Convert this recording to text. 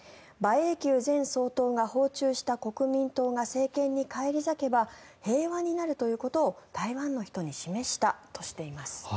英九前総統が訪中した国民党が政権に返り咲けば平和になるということを台湾の人に示したとしています。